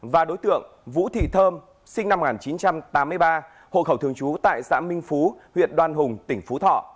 và đối tượng vũ thị thơm sinh năm một nghìn chín trăm tám mươi ba hộ khẩu thường trú tại xã minh phú huyện đoan hùng tỉnh phú thọ